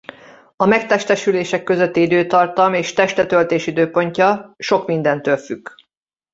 A megtestesülések közötti időtartam és testet öltés időpontja sok mindentől függ.